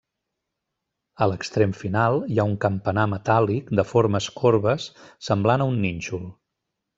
A l'extrem final hi ha un campanar metàl·lic de formes corbes semblant a un nínxol.